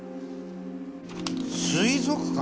水族館？